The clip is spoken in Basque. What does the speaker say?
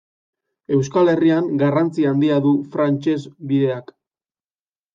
Euskal Herrian garrantzi handia du Frantses bideak.